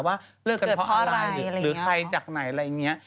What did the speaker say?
ว่าเลิกกันเพราะอะไรหรือใครจากไหนอะไรอย่างนี้